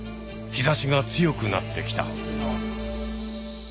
日ざしが強くなってきた。